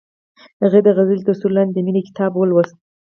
هغې د غزل تر سیوري لاندې د مینې کتاب ولوست.